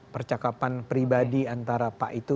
percakapan pribadi antara pak itu